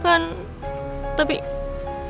kita gak bisa balik ke rumah